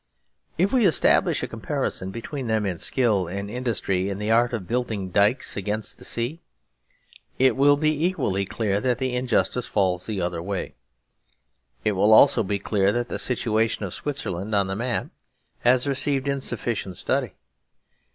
If we establish a comparison between them in skill and industry in the art of building dykes against the sea, it will be equally clear that the injustice falls the other way; it will also be clear that the situation of Switzerland on the map has received insufficient study.